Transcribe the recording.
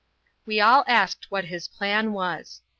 We all asked what his plan was.